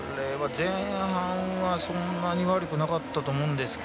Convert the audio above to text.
前半はそんなに悪くなかったと思いますが。